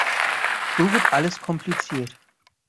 So wird alles kompliziert.